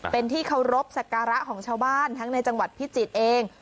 เป็นที่เคารพสักการะของชาวบ้านทั้งในจังหวัดพิจิตรเอง